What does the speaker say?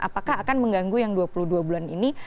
apakah akan mengganggu yang dua puluh dua bulan ini